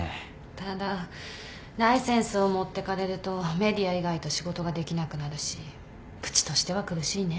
ただライセンスを持ってかれるとＭＥＤＩＡ以外と仕事ができなくなるしうちとしては苦しいね。